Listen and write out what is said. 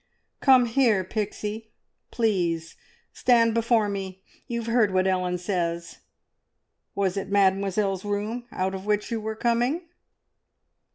"Come here, Pixie, please! Stand before me! You have heard what Ellen says! Was it Mademoiselle's room out of which you were coming?"